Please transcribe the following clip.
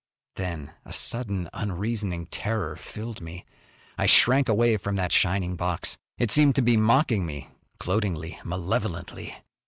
Then a sudden unreasoning terror filled me. I shrank away from that shining box. It seemed to be mocking me, gloatingly, malevolently.